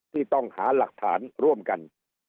ที่ต้องหาหลักฐานร่วมกัน